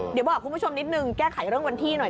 เดี๋ยวบอกคุณผู้ชมนิดนึงแก้ไขเรื่องวันที่หน่อย